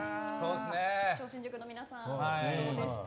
超新塾の皆さんどうでしたか。